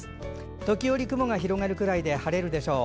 時折、雲が広がるくらいで晴れるでしょう。